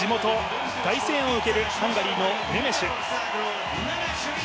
そして地元、大声援を受けるハンガリーのネメシュ。